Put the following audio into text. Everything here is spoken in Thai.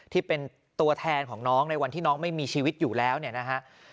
ที่เป็นตัวแทนของน้องในวันที่น้องไม่มีชีวิตอยู่แล้วเนี่ยนะฮะ